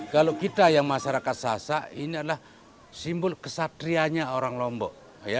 kalau kita yang masyarakat sasak ini adalah simbol kesatrianya orang lombok